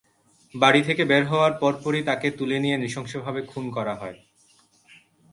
বাড়ি থেকে বের হওয়ার পরপরই তাঁকে তুলে নিয়ে নৃশংসভাবে খুন করা হয়।